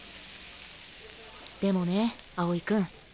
でもね青井君。